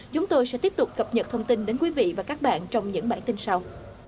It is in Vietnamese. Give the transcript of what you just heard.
chúng tôi sẽ tiếp tục cập nhật thông tin đến quý vị và các bạn trong những bản tin sau